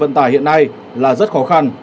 vận tải hiện nay là rất khó khăn